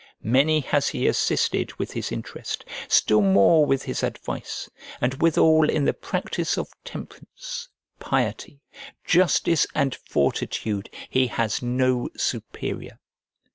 Many has he assisted with his interest, still more with his advice, and withal in the practice of temperance, piety, justice, and fortitude, he has no superior.